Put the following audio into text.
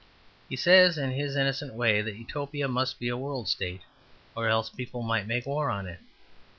He says in his innocent way that Utopia must be a world state, or else people might make war on it.